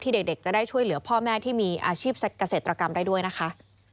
เด็กจะได้ช่วยเหลือพ่อแม่ที่มีอาชีพเกษตรกรรมได้ด้วยนะคะ